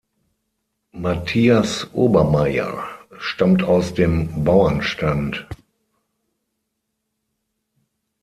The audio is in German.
Mathias Obermayr stammte aus dem Bauernstand.